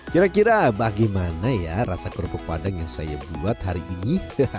kira kira bagaimana ya rasa kerupuk padang yang saya buat hari ini